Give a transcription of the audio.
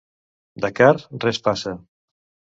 De car res passa.